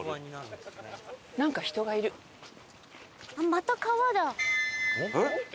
また川だ。